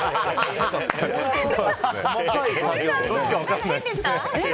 何か変でした？